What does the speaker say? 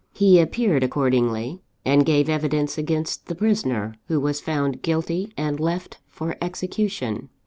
He appeared accordingly, and gave evidence against the prisoner; who was found guilty, and left for execution.